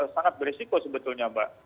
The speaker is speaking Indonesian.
sangat beresiko sebetulnya mbak